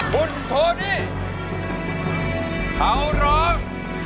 คุณโทนี่เขาร้อง